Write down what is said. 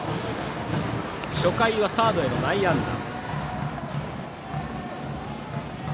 初回はサードへの内野安打。